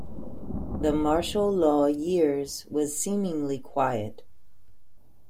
The Martial Law Years was seemingly quiet.